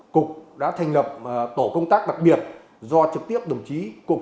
cục đã thành lập tổ công tác đặc biệt do trực tiếp đồng chí